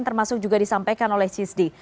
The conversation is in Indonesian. termasuk juga disampaikan oleh cisdi